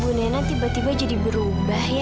bu nena tiba tiba jadi berubah ya